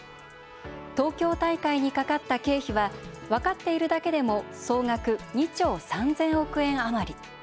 東京大会にかかった経費は分かっているだけでも総額２兆３０００億円余り。